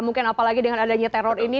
mungkin apalagi dengan adanya teror ini